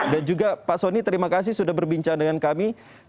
dan juga pak soni terima kasih sudah berbincang dengan kami